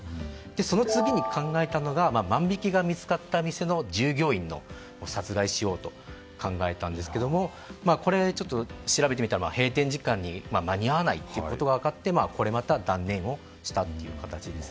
その次に考えたのが万引きが見つかった店の従業員を殺害しようと考えたんですけども調べてみたら閉店時間に間に合わないということが分かってこれまた断念をしたという形です。